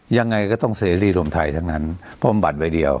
ยังไงก็ต้องเซรี่รวมไทยทั้งนั้นเพราะมันบัตรใบเดียว